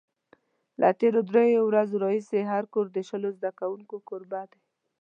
له تېرو درېیو ورځو راهیسې هر کور د شلو زده کوونکو کوربه دی.